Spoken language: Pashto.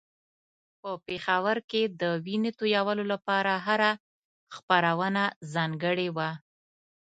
په پېښور کې د وينو تویولو لپاره هره خپرونه ځانګړې وه.